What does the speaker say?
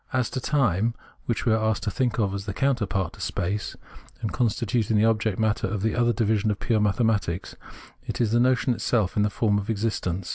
As to time, which we are asked to think of as the coimterpart to space, and as constituting the object matter of the other division of pure mathematics, it is the notion itself in the form of existence.